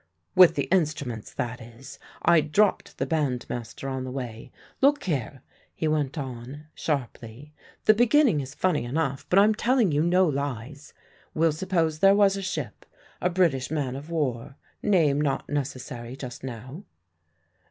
"With the instruments, that is. I'd dropped the bandmaster on the way. Look here," he went on sharply, "the beginning is funny enough, but I'm telling you no lies. We'll suppose there was a ship, a British man of war name not necessary just now."